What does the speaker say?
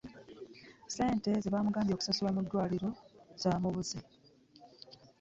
ssente ze baamugambye okusasula mu ddwaliro zaamumbuze.